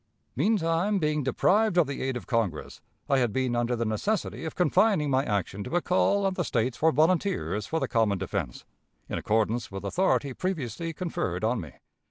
Meantime, being deprived of the aid of Congress, I had been under the necessity of confining my action to a call on the States for volunteers for the common defense, in accordance with authority previously conferred on me.